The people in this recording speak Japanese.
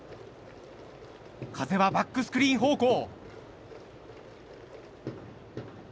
風はバックスクリーン方向。